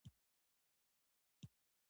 زیاتې پیښې منځته راغلي وي.